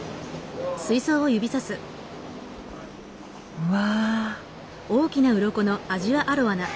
うわ！